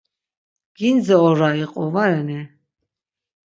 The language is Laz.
Gindze ora iqu, va reni?